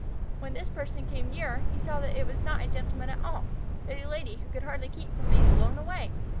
When this person came nearer he saw that it was not a Gentleman at all, but a Lady who could hardly keep from being blown away.